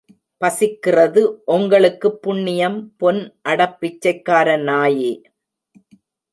பசிக்கிறது ஒங்களுக்குப் புண்ணியம், பொன் அடப் பிச்சைக்கார நாயே!